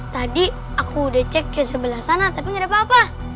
tadi aku udah cek ke sebelah sana tapi gak ada apa apa